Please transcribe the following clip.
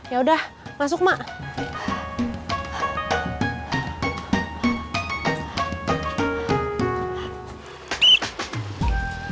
yaudah masuk mak